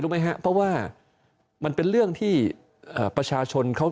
รู้ไหมฮะเพราะว่ามันเป็นเรื่องที่เอ่อประชาชนเขา